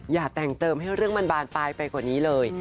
อย่าแต่งเติมให้เรื่องมันบานปลายไปกว่านี้เลย